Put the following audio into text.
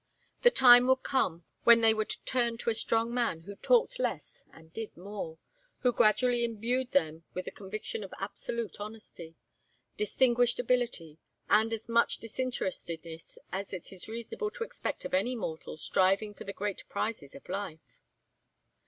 The time would come when they would turn to a strong man who talked less and did more, who gradually imbued them with the conviction of absolute honesty, distinguished ability, and as much disinterestedness as it is reasonable to expect of any mortal striving for the great prizes of life.